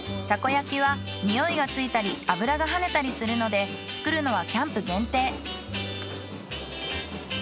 タコ焼きはにおいがついたり油がはねたりするので作るのはキャンプ限定。